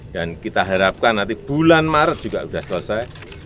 dan kita harapkan nanti bulan maret juga sudah selesai